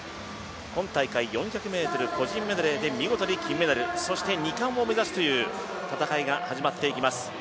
今大会４００ｍ個人メドレーで見事に金メダルそして２冠を目指すという戦いが始まっていきます。